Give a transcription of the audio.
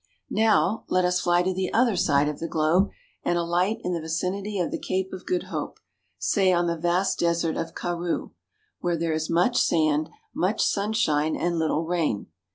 "Now let us fly to the other side of the globe and alight in the vicinity of the Cape of Good Hope, say on the vast desert of Karroo, where there is much sand, much sunshine, and little rain.